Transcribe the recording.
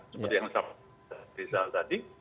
seperti yang disampaikan rizal tadi